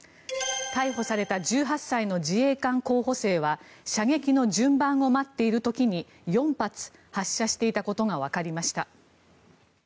逮捕された１８歳の自衛官候補生は射撃の順番を待っている時に４発発射していたことがわかりました。